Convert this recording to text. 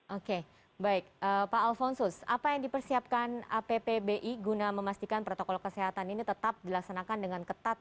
oke baik pak alfonsus apa yang dipersiapkan appbi guna memastikan protokol kesehatan ini tetap dilaksanakan dengan ketat